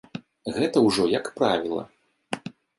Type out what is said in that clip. Гэта ўжо як правіла.